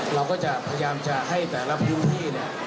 เราก็จะพยายามจะให้แต่ละพื้นที่เนี่ย